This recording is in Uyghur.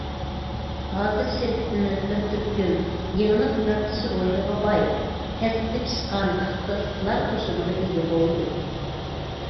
ھازىر شىركىتىمىز بىر تۈركۈم يېڭىلىق يارىتىش روھىغا باي، كەسىپتە پىشقان ئىختىساسلىقلار قوشۇنىغا ئىگە بولدى.